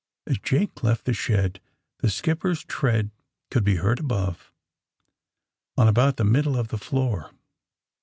'' As Jake left the shed the skipper's tread could be heard above, on about the middle of the floor.